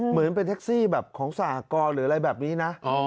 เหมือนเป็นแท็กซี่แบบของสหกรณ์หรืออะไรแบบนี้นะ